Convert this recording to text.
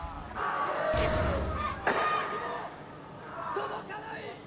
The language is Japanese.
届かない！